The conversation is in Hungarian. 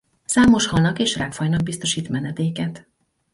Számos halnak és rákfajnak biztosít menedéket.